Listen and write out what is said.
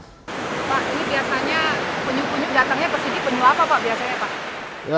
pak ini biasanya penyu penyu datangnya ke sini penyu apa pak biasanya pak